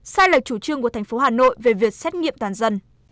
sai lệch chủ trương của thành phố hà nội về việc xét nghiệm toàn dân